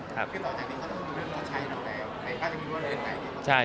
เขาจึงไม่ต้องเลย